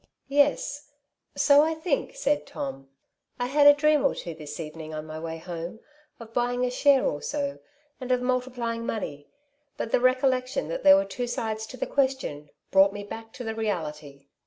*' Yes ; so I think,'' said Tom. ^^ I had a dream D 2 Jk ) 36 " Two Sides to every Question^' or two this evening on my way home, of buying a share or so, and of multiplying money ; but the recollection that there were two sides to the ques tion brought me back to the reality.